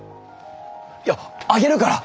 いやあげるから！